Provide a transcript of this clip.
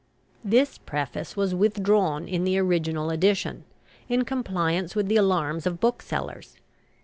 This preface was withdrawn in the original edition, in compliance with the alarms of booksellers.